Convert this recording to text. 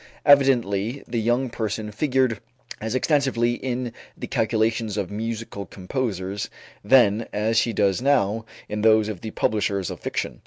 Evidently the "young person" figured as extensively in the calculations of musical composers then as she does now in those of the publishers of fiction.